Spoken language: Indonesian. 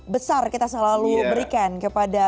besar kita selalu berikan kepada